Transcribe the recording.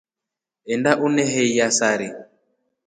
Enda uneheiya sari.